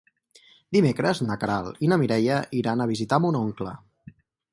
Dimecres na Queralt i na Mireia iran a visitar mon oncle.